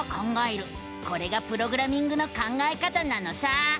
これがプログラミングの考え方なのさ！